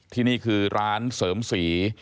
ที่นี่คือร้านเสริมสี